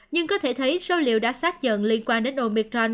nhưng có thể thấy số liệu đã sát dần liên quan đến omicron